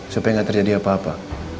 supaya nggak terjadi apa apa